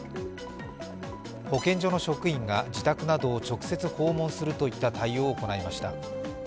保健所の職員が自宅などを直接訪問するといった対応を行いました。